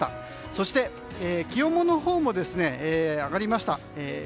そして、気温も上がりました。